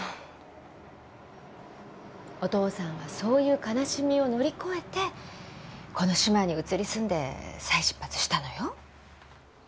お父さんはそういう悲しみを乗り越えてこの志摩に移り住んで再出発したのよ。